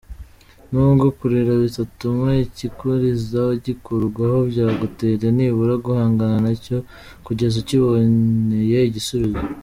N’ubwo kurira bitatuma ikikuriza gikurwaho, byagutera nibura guhangana na cyo kugeza ukiboneye igisubizo.